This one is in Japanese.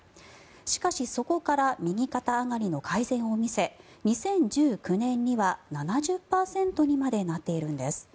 しかし、そこから右肩上がりの改善を見せ２０１９年には７０％にまでなっているんです。